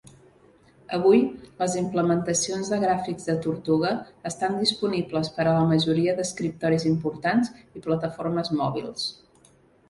Avui, les implementacions de gràfics de tortuga estan disponibles per a la majoria d'escriptoris importants i plataformes mòbils.